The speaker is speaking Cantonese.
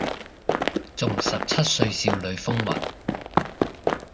仲十七歲少女風韻